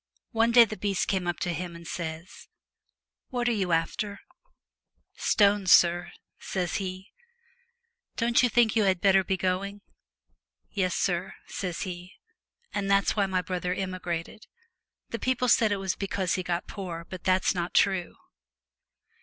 One day the beast comes up to him, and says, " What are you after ?"" Stones, sur," says he. " Don't you think you had better be going?" " Yes, sur," says he. And that's why my brother emigrated. The people said it was because he got poor, but that's not true.'